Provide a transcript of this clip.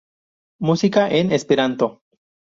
Música en esperanto